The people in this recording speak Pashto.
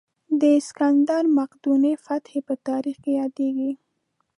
د سکندر مقدوني فتحې په تاریخ کې یادېږي.